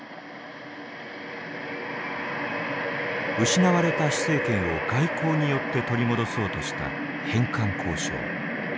失われた施政権を外交によって取り戻そうとした返還交渉。